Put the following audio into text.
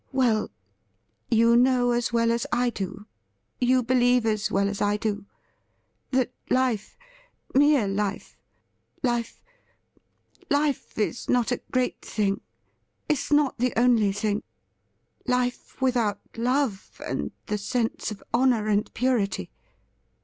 ' Well, you know as well as I do, you believe as well as I do, that life — mere life — life — life is not a great thing —. is not the only thing — life without love, and the sense of honour and purity.